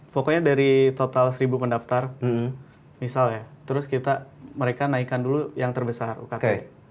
pokoknya dari total seribu pendaftar misalnya terus kita mereka naikkan dulu yang terbesar ukt